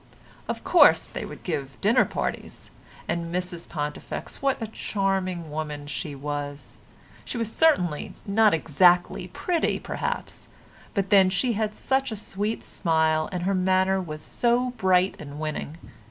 Of course they would give dinner parties. And Mrs Pontifex, what a charming woman she was; she was certainly not exactly pretty perhaps, but then she had such a sweet smile and her manner was so bright and winning.